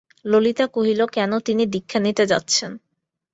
ললিতা কহিল, কেন তিনি দীক্ষা নিতে যাচ্ছেন?